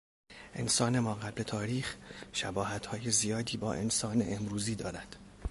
انسان ماقبل تاریخ شباهتهای زیادی با انسان امروزی دارد.